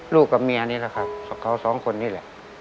ลูกกับเมียนิละครับเขาสองคนนี้แหละ